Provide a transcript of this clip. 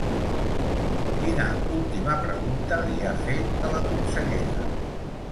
Quina última pregunta li ha fet a la consellera?